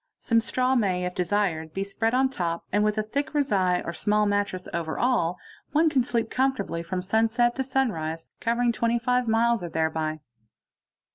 Some straw may if desired be spread on top, and with a thick rezai or small mattress over all, one can sleep com fortably from sunset to sunrise, covering 25 miles or thereby.